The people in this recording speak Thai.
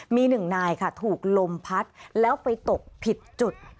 มี๑นายถูกลมพัดแล้วไปตกผิดจุด